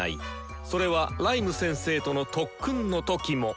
それはライム先生との特訓の時も。